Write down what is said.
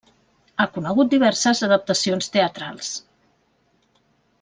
Ha conegut diverses adaptacions teatrals.